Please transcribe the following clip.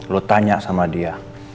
lo tanya sama dia